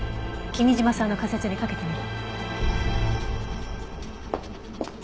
君嶋さんの仮説に賭けてみる。